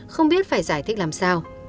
không biết phải giải thích làm sao